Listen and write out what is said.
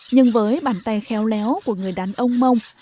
nhưng với bàn tay khéo léo của người đàn ông mông